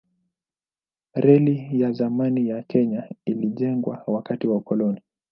Reli ya zamani ya Kenya ilijengwa wakati wa ukoloni.